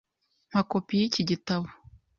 Mpa kopi yiki gitabo .